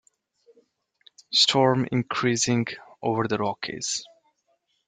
Storm increasing over the Rockies.